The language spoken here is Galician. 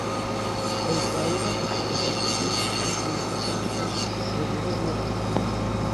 Outra eiva –até certo punto– é que moita xente pensa: Eu vivo en Lugo.